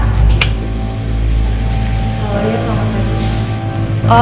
awalnya sama raja